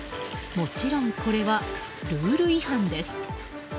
もちろん、これはルール違反です。